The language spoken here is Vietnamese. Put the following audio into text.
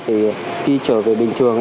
thì khi trở về bình thường